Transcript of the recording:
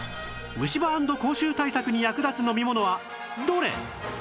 虫歯＆口臭対策に役立つ飲み物はどれ？